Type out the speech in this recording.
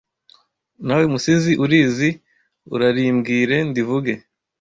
Nawe Musizi urizi urarimbwire ndivuge